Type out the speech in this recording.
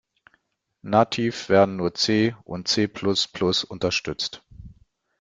Nativ werden nur C und C-plus-plus unterstützt.